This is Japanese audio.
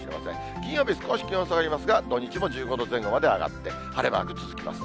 金曜日、少し気温下がりますが、土日も１５度ぐらいまで上がって、晴れマーク続きます。